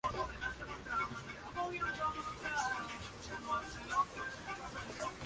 Actualmente es Presidente del Consejo del Instituto de Aprendizaje en Línea.